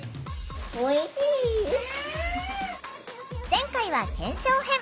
前回は検証編。